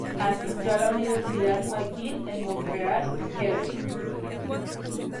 Asistió a la Universidad McGill en Montreal, Quebec.